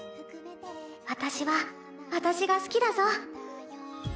私は、私が好きだぞ」